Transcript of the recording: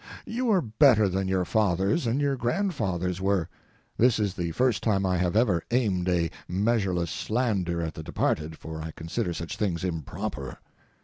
You are better than your fathers and grandfathers were (this is the first time I have ever aimed a measureless slander at the departed, for I consider such things improper).